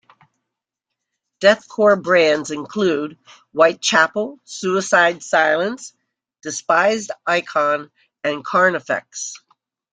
Deathcore bands include Whitechapel, Suicide Silence, Despised Icon and Carnifex.